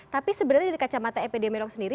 tapi sebenarnya di kacamata epd melok sendiri